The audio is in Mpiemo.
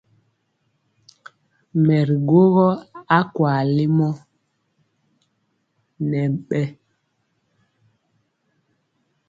Mɛ ri gwogɔ akwaa lemɔ nɛ mbɛ.